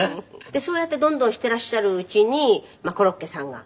でそうやってどんどんしていらっしゃるうちにコロッケさんが。